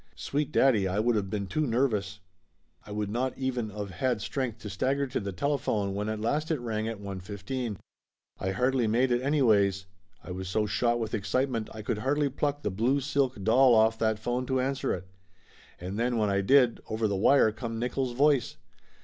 Sweet daddy, I would of been too nervous ! I would not even of had Laughter Limited 169 strength to stagger to the telephone when at last it rang at i : 15. I hardly made it, anyways. I was so shot with excitement I could hardly pluck the blue silk doll off that phone to answer it. And then when I did, over the wire come Nickolls' voice.